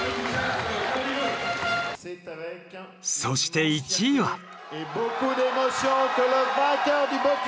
そして１位は。